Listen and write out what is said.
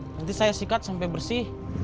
nanti saya sikat sampai bersih